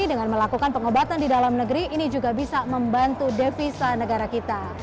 dengan melakukan pengobatan di dalam negeri ini juga bisa membantu devisa negara kita